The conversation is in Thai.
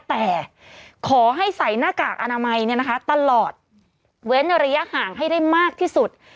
แต่ขอให้ใส่หน้ากากอนามัยตลอดเว้นระยะห่างให้ได้มากที่สุด